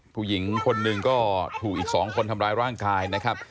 ผู้หญิงคนหนึ่งก็ถูกอีก๒คนทำร้ายร่างกายนะครับ